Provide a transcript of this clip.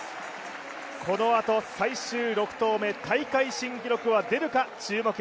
このあと最終６投目、大会新記録は出るか注目。